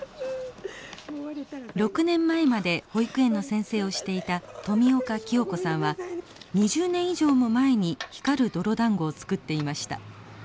６年前まで保育園の先生をしていた富岡清子さんは２０年以上も前に光る泥だんごを作っていました。